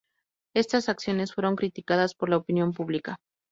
Estas acciones fueron criticadas por la opinión pública.